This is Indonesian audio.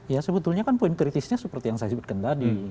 ya sebetulnya kan poin kritisnya seperti yang saya sebutkan tadi